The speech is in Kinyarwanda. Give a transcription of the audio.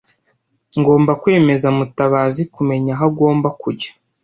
Ngomba kwemeza Mutabazi kumenya aho agomba kujya.